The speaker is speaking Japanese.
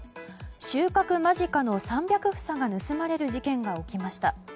収穫間近の３００房が盗まれる事件が起きました。